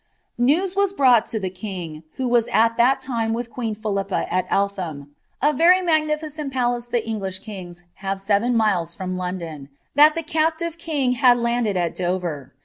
■*News was brought to the king, who was at that time with queen bilippa at Eltham, (a very magnificent palace the English kings have Ten miles from London,) that the captive king had landed at Dover.